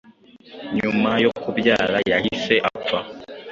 nyuma yo kubyara yahise apfa